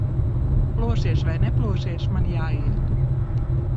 Plosies vai neplosies, man jāiet.